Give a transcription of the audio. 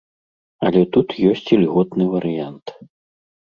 Але тут ёсць ільготны варыянт.